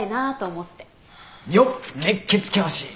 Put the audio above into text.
よっ熱血教師！